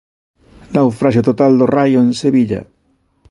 Naufraxio total do Raio en Sevilla.